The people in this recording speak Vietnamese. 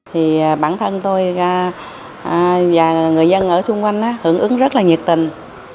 thì bản thân tôi và người dân ở xung quanh hưởng ứng rất là nhiệt tình